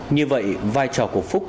như vậy vai trò của phúc